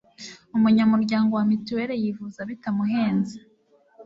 umunyamuryango wa mitueli yivuza bitamuhenze